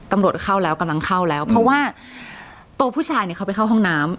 ตำรวจเข้าแล้วกำลังเข้าแล้วเพราะว่าตัวผู้ชายเนี่ยเขาไปเข้าห้องน้ำ